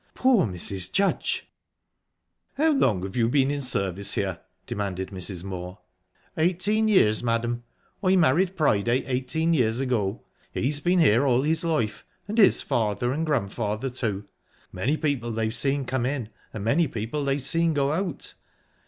"Poor Mrs. Judge!" "How long have you been in service here?" demanded Mrs. Moor. "Eighteen years, madam, I married Priday eighteen years ago. He's been here all his life, and his father and grandfather, too. Many people they've seen come in, and many people they've seen go out."